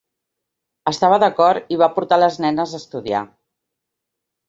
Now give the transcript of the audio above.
Estava d'acord i va portar les nenes a estudiar.